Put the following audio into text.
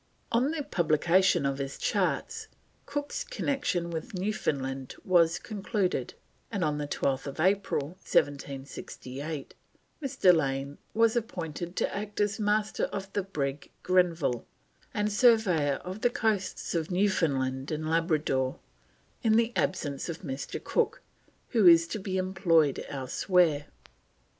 On the publication of his charts, Cook's connection with Newfoundland was concluded, and on 12th April 1768 Mr. Lane was "appointed to act as Master of the brig Grenville, and surveyor of the coasts of Newfoundland and Labrador in the absence of Mr. Cook, who is to be employed elsewhere."